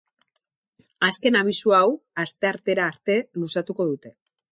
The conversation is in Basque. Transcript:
Azken abisu hau asteartera arte luzatuko dute.